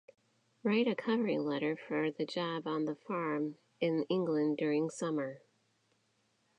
Write a covering letter for the job on the farm in England, during summer.